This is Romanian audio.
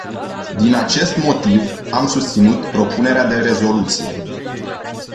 Din acest motiv, am susținut propunerea de rezoluție.